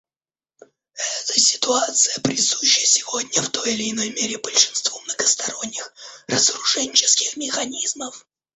Эта ситуация присуща сегодня в той или иной мере большинству многосторонних разоруженческих механизмов.